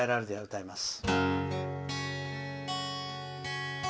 歌います。